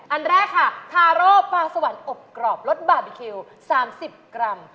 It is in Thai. อันแรกค่ะทาโร่ปลาสวรรค์อบกรอบรสบาร์บีคิว๓๐กรัม